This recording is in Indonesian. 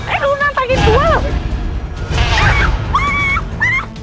eh lu nantangin tua lu